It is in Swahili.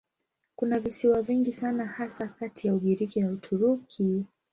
Kuna visiwa vingi sana hasa kati ya Ugiriki na Uturuki.